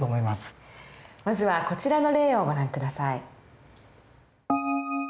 まずはこちらの例をご覧下さい。